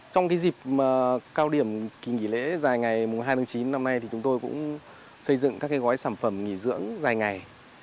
trong dịp cao điểm kỳ nghỉ lễ dài ngày hai tháng chín năm nay thì chúng tôi cũng xây dựng các gói sản phẩm nghỉ dưỡng dài ngày